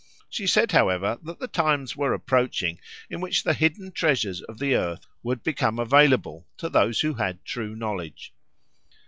She said, however, that the times were approaching in which the hidden treasures of the earth would become available to those who had true knowledge.